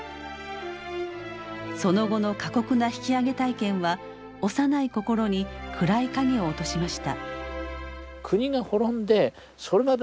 その後の過酷な引き揚げ体験は幼い心に暗い影を落としました。